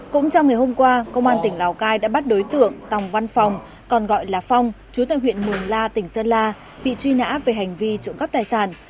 cũng trong ngày hôm qua công an tỉnh lào cai đã bắt đối tượng tòng văn phòng còn gọi là phong chú tại huyện mường la tỉnh sơn la bị truy nã về hành vi trộm cắp tài sản